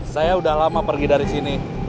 saya udah lama pergi dari sini